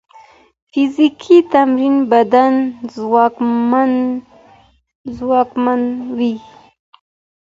فزیکي تمرین بدن ځواکمنوي.